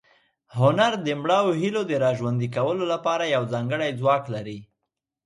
هنر د مړاوو هیلو د راژوندي کولو لپاره یو ځانګړی ځواک لري.